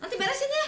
nanti beresin ya